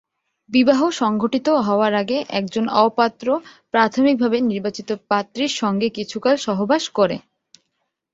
বিবাহ সংঘটিত হওয়ার আগে একজন অও পাত্র প্রাথমিকভাবে নির্বাচিত পাত্রীর সঙ্গে কিছুকাল সহবাস করে।